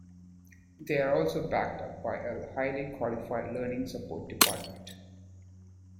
They are also backed up by a highly qualified learning support department.